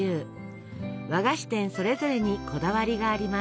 和菓子店それぞれにこだわりがあります。